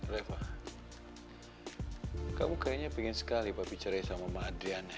reva kamu kayaknya pengen sekali papi cari sama mama adriana ya